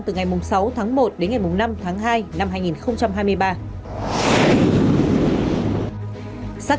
từ ngày sáu tháng một đến ngày năm tháng hai năm sau